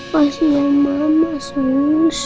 pasti yang mama sus